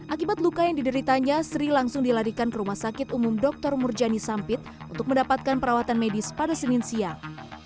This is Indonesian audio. akibat luka yang dideritanya sri langsung dilarikan ke rumah sakit umum dr murjani sampit untuk mendapatkan perawatan medis pada senin siang